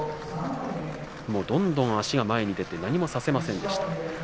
どんどん足が前に出て何もさせませんでした。